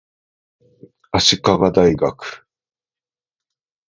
足利大学